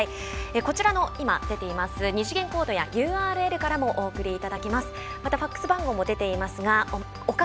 こちらの２次元コードやＵＲＬからもお送りいただけます。